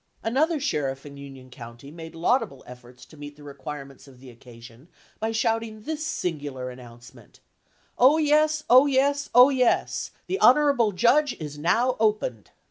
Another sheriff in Union County made a laud able efforts to meet the requirements of the occa sion by shouting this singular announcement: "O, yes! O, yes! O, yes! The honorable judge is now opened!"